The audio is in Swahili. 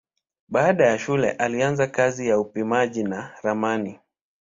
Baada ya shule alianza kazi ya upimaji na ramani.